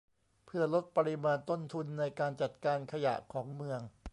เพื่อลดปริมาณต้นทุนในการจัดการขยะของเมือง